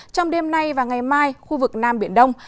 trong đêm nay và ngày mai khu vực nam biển đông